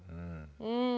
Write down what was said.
うん。